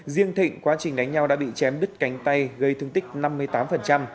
riêng thịnh quá trình đánh nhau đã bị chém đứt cánh tay gây thương tích năm mươi tám